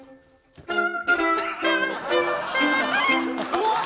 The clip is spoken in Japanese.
うわっ！